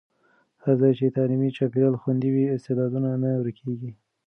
هر ځای چې تعلیمي چاپېریال خوندي وي، استعدادونه نه ورکېږي.